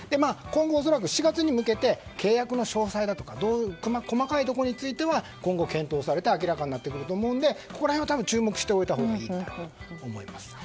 今後、４月に向けて契約の詳細だとか細かいことについては今後検討されて明らかになってくると思うのでここら辺は注目しておいたほうがいいと思います。